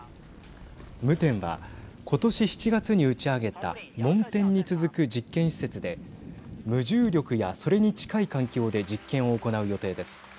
夢天は今年７月に打ち上げた問天に続く実験施設で無重力や、それに近い環境で実験を行う予定です。